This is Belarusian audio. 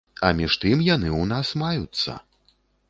А між тым, яны ў нас маюцца.